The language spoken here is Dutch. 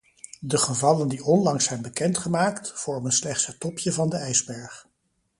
De gevallen die onlangs zijn bekendgemaakt, vormen slechts het topje van de ijsberg.